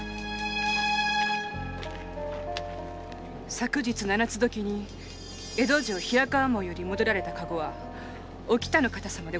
昨日七ッ刻平川門より戻られた駕籠はお喜多の方様でございました。